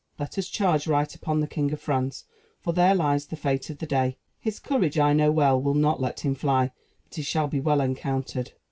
Let us charge right upon the King of France, for there lies the fate of the day. His courage, I know well, will not let him fly; but he shall be well encountered."